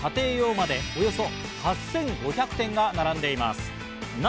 店内にはプロから家庭用までおよそ８５００点が並んでいます。